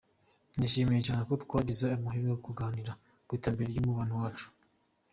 Nishimiye cyane ko twagize aya mahirwe yo kuganira ku iterambere ry’umubano wacu.